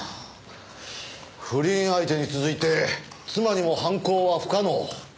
不倫相手に続いて妻にも犯行は不可能。